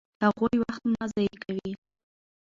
هغوی وخت نه ضایع کوي.